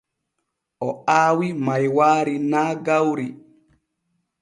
O aawi maywaari naa gawri.